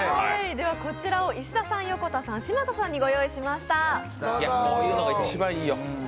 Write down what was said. こちらを石田さん、横田さん、嶋佐さんに御用意しました。